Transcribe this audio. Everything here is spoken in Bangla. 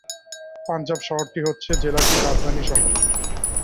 পাঞ্জাব শহরটি হচ্ছে জেলাটির রাজধানী শহর।